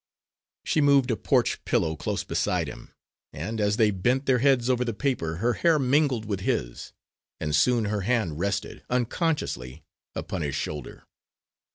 She moved a porch pillow close beside him, and, as they bent their heads over the paper her hair mingled with his, and soon her hand rested, unconsciously, upon his shoulder.